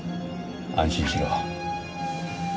安心しろ。